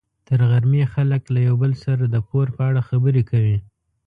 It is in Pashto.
تر غرمې خلک له یو بل سره د پور په اړه خبرې کوي.